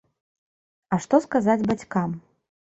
А што сказаць бацькам?